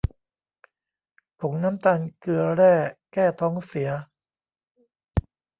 ผงน้ำตาลเกลือแร่ แก้ท้องเสีย